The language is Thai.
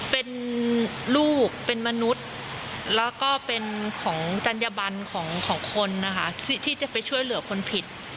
เป็นลูกเป็นมนุษย์แล้วก็เป็นของจัญญบันของคนนะคะที่จะไปช่วยเหลือคนผิด